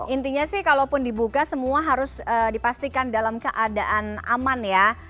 intinya sih kalaupun dibuka semua harus dipastikan dalam keadaan aman ya